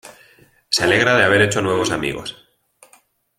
Se alegra de haber hecho nuevos amigos.